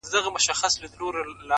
o د مقدسي فلسفې د پيلولو په نيت؛